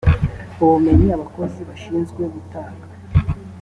ubumenyi abakozi bashinzwe gutanga